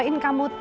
tidak ada apa apa